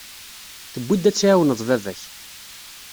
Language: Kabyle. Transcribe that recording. Tewwi-d ad tɛiwneḍ baba-k.